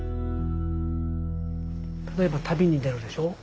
例えば旅に出るでしょう？